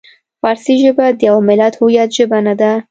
فارسي ژبه د یوه ملت د هویت ژبه نه ده.